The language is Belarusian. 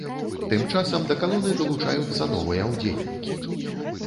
Тым часам да калоны далучаюцца новыя ўдзельнікі.